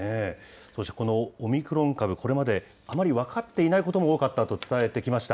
そしてこのオミクロン株、これまであまり分かっていないことも多かったと伝えてきました。